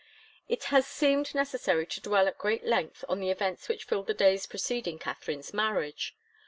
It has seemed necessary to dwell at great length on the events which filled the days preceding Katharine's marriage.